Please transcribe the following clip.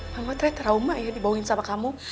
mama t trauma ya dibawain sama kamu